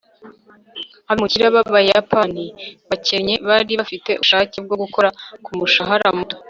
abimukira b'abayapani bakennye bari bafite ubushake bwo gukora ku mushahara muto